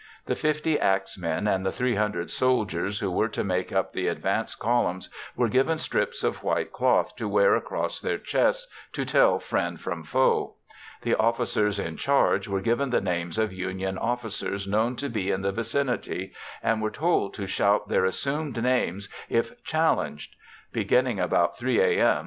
The 50 axmen and the 300 soldiers who were to make up the advance columns were given strips of white cloth to wear across their chests to tell friend from foe. The officers in charge were given the names of Union officers known to be in the vicinity and were told to shout their assumed names if challenged. Beginning about 3 a.m.